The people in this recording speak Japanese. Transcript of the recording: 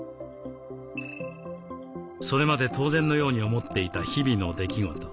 それまで当然のように思っていた日々の出来事